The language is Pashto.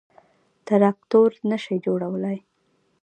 تراکتور نه شي جوړولای.